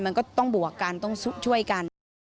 มันก็ต้องบวกกันต้องช่วยกัน